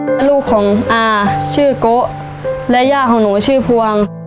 และลูกของอาชื่อโกะและย่าของหนูชื่อพวง